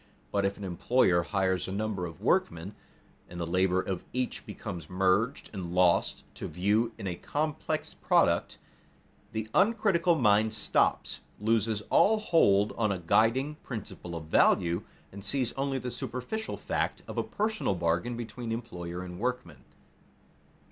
But if an employer hires a number of workmen, and the labor of each becomes merged and lost to view in a complex product, the uncritical mind stops, loses all hold on a guiding principle of value, and sees only the superficial fact of a personal bargain between employer and workman.